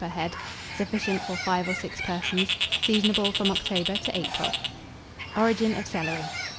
per head. Sufficient for 5 or 6 persons. Seasonable from October to April. ORIGIN OF CELERY.